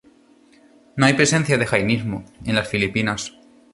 No hay presencia de jainismo en las Filipinas.